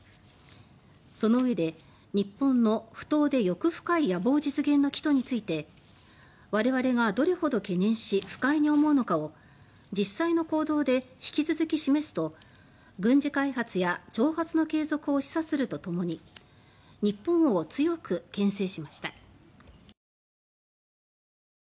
その上で「日本の不当で欲深い野望実現の企図について我々がどれほど懸念し不快に思うのかを実際の行動で引き続き示す」と軍事開発や挑発の継続を示唆するとともに日本を強くけん制しました。